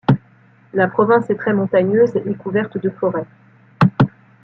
La province est très montagneuse et couverte de forêts.